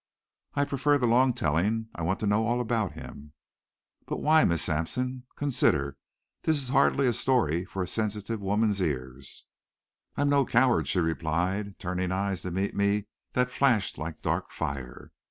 "I prefer the long telling. I want to know all about him." "But why, Miss Sampson? Consider. This is hardly a story for a sensitive woman's ears." "I am no coward," she replied, turning eyes to me that flashed like dark fire.